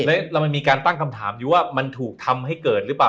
แล้วมันมีการตั้งคำถามอยู่ว่ามันถูกทำให้เกิดหรือเปล่า